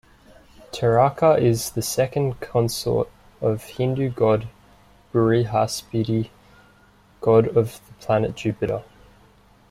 Taraka is also the second consort of Hindu God Brihaspati, God of planet Jupiter.